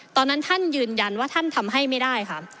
ตอนนั้นท่านยืนยันว่าท่านทำให้ไม่ได้ค่ะ